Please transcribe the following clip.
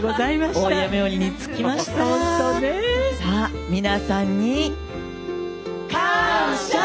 さあ皆さんに。感謝！